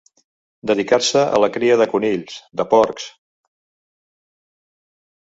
Dedicar-se a la cria de conills, de porcs.